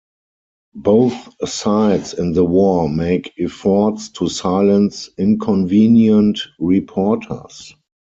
Both sides in the war make efforts to silence inconvenient reporters.